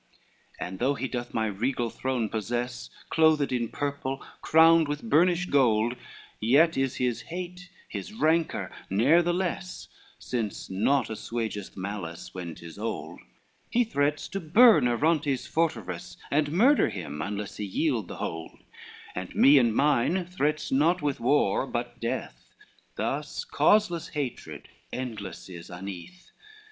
LIX "And though he do my regal throne possess, Clothed in purple, crowned with burnished gold; Yet is his hate, his rancor, ne'er the less, Since naught assuageth malice when 'tis old: He threats to burn Arontes' forteress, And murder him unless he yield the hold, And me and mine threats not with war, but death, Thus causeless hatred, endless is uneath.